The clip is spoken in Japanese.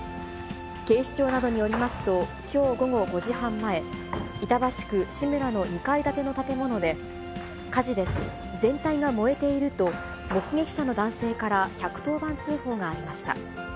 警視庁などによりますと、きょう午後５時半前、板橋区志村の２階建ての建物で、火事です、全体が燃えていると、目撃者の男性から１１０番通報がありました。